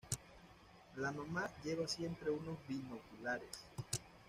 La mamá lleva siempre unos binoculares.